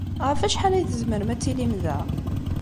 Ɣef wacḥal ay tzemrem ad tilim da?